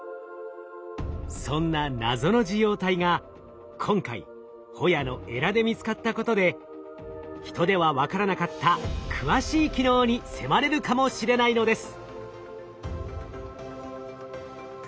そんな謎の受容体が今回ホヤのエラで見つかったことでヒトでは分からなかった詳しい機能に迫れるかもしれないのです。